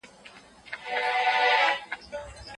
دا ډېر مهم مسؤلیت دی.